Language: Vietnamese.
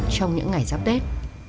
trong những ngày giáp tết